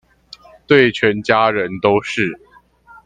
對全家人都是